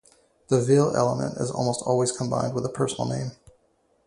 The "-ville" element is almost always combined with a personal name.